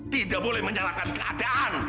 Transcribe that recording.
tidak boleh menyalahkan keadaan